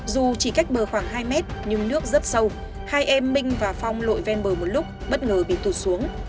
dù chỉ cách bờ khoảng hai mét nhưng nước rất sâu hai em minh và phong lội ven bờ một lúc bất ngờ bị tụt xuống